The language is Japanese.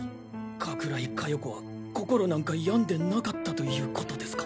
加倉井加代子は心なんか病んでなかったという事ですか？